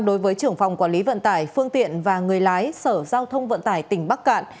đối với trưởng phòng quản lý vận tải phương tiện và người lái sở giao thông vận tải tỉnh bắc cạn